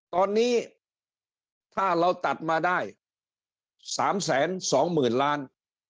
ตอนนี้ถ้าเราตัดมาได้สามแสนสองหมื่นล้าน